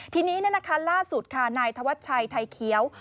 ทีนี้ล่าสุดค่ะนายธวัชชัยไทยเขียว